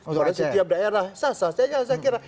oleh setiap daerah sah sah saja saya kira